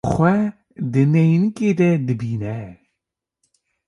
Xwe di neynikê de dibîne.